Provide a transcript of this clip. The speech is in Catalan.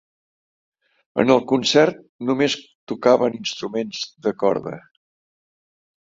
En el concert només tocaven instruments de corda.